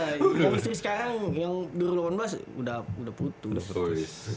habis dari sekarang yang dulu kan mas udah putus